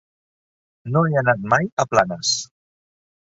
No he anat mai a Planes.